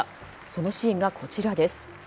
そのシーンがこちらです。